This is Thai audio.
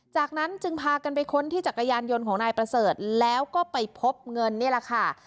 จากนั้นจึงพากันไปค้นที่จักรยานยนต์ของนายประเสริฐแล้วก็ไปพบเงินนี่แหละค่ะ